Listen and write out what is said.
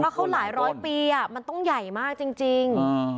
แล้วเขาหลายร้อยปีมันต้องใหญ่มากจริง